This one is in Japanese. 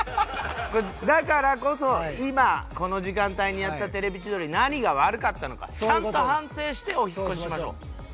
だからこそ今この時間帯にやった『テレビ千鳥』何が悪かったのかちゃんと反省してお引っ越ししましょう。